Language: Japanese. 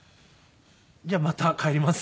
じゃあまた帰ります。